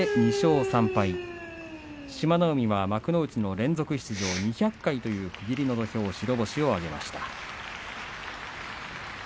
海が幕内の連続出場２００回という区切りの土俵白星を挙げました。